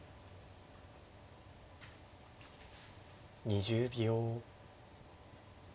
２０秒。